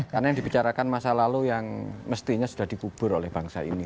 karena yang dibicarakan masa lalu yang mestinya sudah dikubur oleh bangsa ini